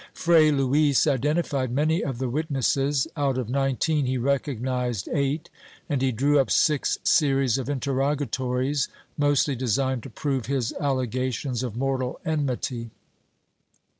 Fray Luis identified many of the witnesses — out of nineteen he recognized eight — and he drew up six series of interrogatories, mostly designed to prove his allegations of mortal enmity.